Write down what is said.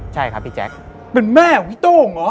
ใช่ครับพี่แจ๊คเป็นแม่ของพี่โต้งเหรอ